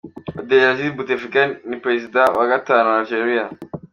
Abdelaziz Boutetlika ni Perezida wa gatanu wa Algeria.